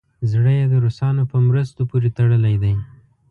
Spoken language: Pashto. زړه یې د روسانو په مرستو پورې تړلی دی.